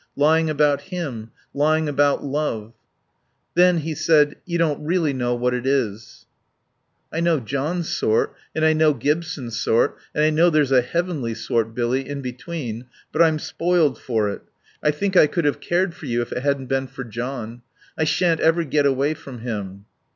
Lying about him. Lying about love." "Then," he said, "you don't really know what it is." "I know John's sort. And I know Gibson's sort. And I know there's a heavenly sort, Billy, in between. But I'm spoiled for it. I think I could have cared for you if it hadn't been for John.... I shan't ever get away from him."